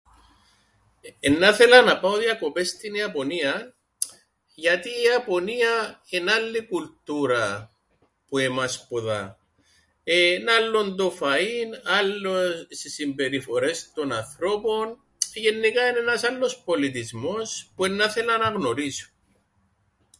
Εννά 'θελα να πάω διακοπές στην Ιαπωνίαν γιατί η Ιαπωνία εν' άλλη κουλτούρα που εμάς ποδά, εν' άλλον το φαΐν, άλλες οι συμπεριφορές των ανθρώπων εε... γεννικά εν' ένας άλλος πολιτισμός, που εννά θελα να γνωρίσω..